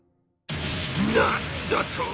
何だと！？